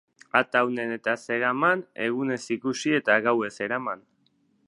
Ataunen eta Zegaman, egunez ikusi eta gauez eraman.